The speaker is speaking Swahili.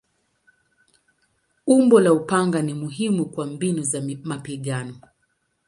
Umbo la upanga ni muhimu kwa mbinu za mapigano.